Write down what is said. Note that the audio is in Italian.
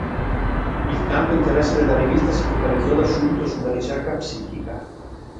Il campo interesse della rivista si focalizzò da subito sulla ricerca psichica.